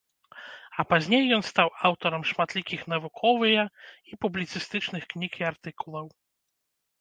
А пазней ён стаў аўтарам шматлікіх навуковыя і публіцыстычных кніг і артыкулаў.